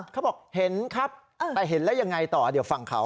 เขาบอกเห็นครับแต่เห็นแล้วยังไงต่อเดี๋ยวฟังเขา